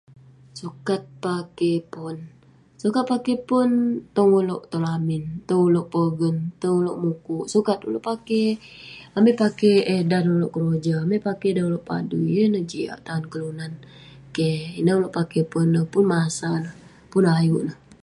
Sukat pakey pon. Sukat pakey pon tong uleuk tong lamin, tong uleuk pogen, tong uleuk mukuk sukat uleuk pakey. Amai pakey eh dan uleuk keroja, amai pakey dan uleuk padui yeng ne jiak tan kelunan. Keh, ineh uleuk pakey pon neh pun masa neh, pun ayuk neh.